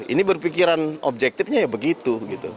ini berpikiran objektifnya ya begitu